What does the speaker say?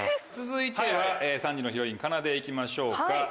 続いては３時のヒロインかなで行きましょうか。